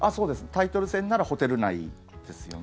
タイトル戦ならホテル内ですよね。